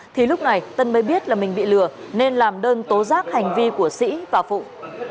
thì lúc này tân mới biết là mình bị lừa nên làm đơn tố giác hành vi của sĩ và phụng